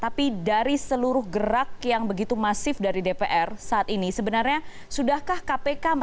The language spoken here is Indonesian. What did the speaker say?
tapi dari seluruh gerak yang begitu masif dari dpr saat ini sebenarnya sudahkah kpk